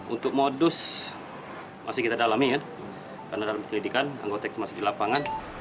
untuk modus masih kita dalami ya karena dalam penyelidikan anggota masih di lapangan